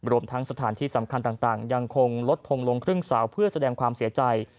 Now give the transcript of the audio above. รวมทั้งสถานที่สำคัญต่างยังคงลดทงลงครึ่งเสาเพื่อแสดงความเสียใจ